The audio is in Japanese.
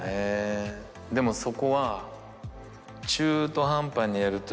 でもそこは。